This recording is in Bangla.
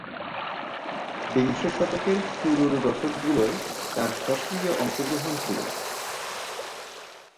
বিংশ শতকের শুরুর দশকগুলোয় তার সক্রিয় অংশগ্রহণ ছিল।